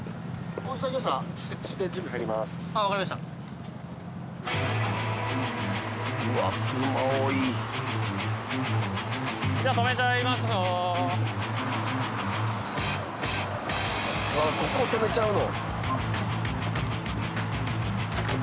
ここを止めちゃうの？